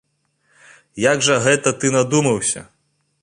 Як жа гэта ты надумаўся?